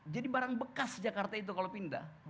jadi barang bekas jakarta itu kalau pindah